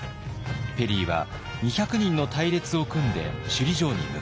ペリーは２００人の隊列を組んで首里城に向かいます。